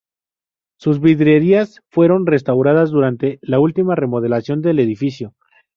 Sus vidrieras fueron restauradas durante la última remodelación del edificio.